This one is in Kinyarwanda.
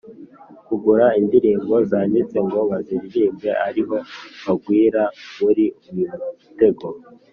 kugura indirimbo zanditse ngo baziririmbe ariho bagwira muri uyu mutego.